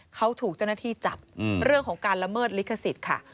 เขาถูกเจ้าหน้าที่จับเรื่องของการละเมิดลิขสิทธิ์ค่ะ